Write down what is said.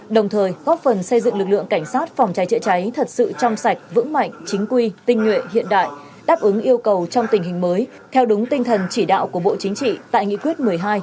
đồng thời góp phần xây dựng lực lượng cảnh sát phòng cháy chữa cháy thật sự trong sạch vững mạnh chính quy tinh nguyện hiện đại đáp ứng yêu cầu trong tình hình mới theo đúng tinh thần chỉ đạo của bộ chính trị tại nghị quyết một mươi hai